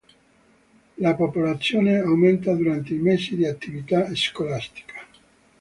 La popolazione aumenta durante i mesi di attività scolastica.